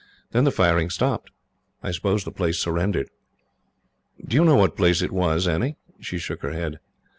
Then the firing stopped. I suppose the place surrendered." "Do you know what place it was, Annie?" She shook her head.